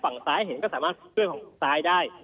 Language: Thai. ฝั่งซ้ายเห็นก็สามารถช่วยฝั่งซ้ายได้